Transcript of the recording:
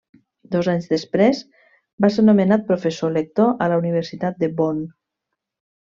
Dos anys després va ser nomenat professor lector a la Universitat de Bonn.